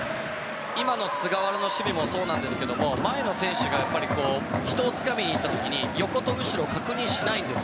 今の菅原の守備もそうなんですけれども前の選手が人をつかみに行った時横と後ろを確認しないんです。